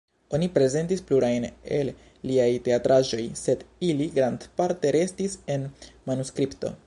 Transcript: Oni prezentis plurajn el liaj teatraĵoj, sed ili grandparte restis en manuskripto.